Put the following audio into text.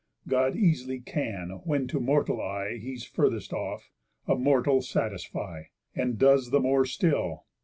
God easily can (when to mortal eye He's furthest off) a mortal satisfy; And does the more still.